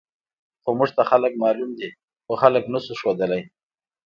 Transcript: خو موږ ته خلک معلوم دي، خو خلک نه شو ښودلی.